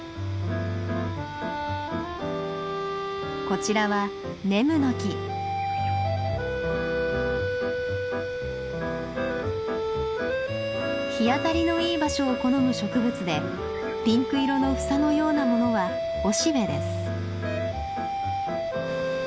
こちらは日当たりのいい場所を好む植物でピンク色の房のようなものは雄しべです。